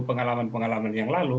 pengalaman pengalaman yang lalu